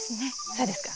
そうですか。